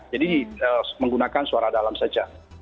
jadi menggunakan suara dalam saja